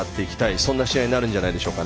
そんな試合になるんじゃないでしょうか。